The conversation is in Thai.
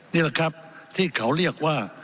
นี่แหละครับที่เขาเรียกว่า